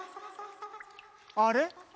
あれ？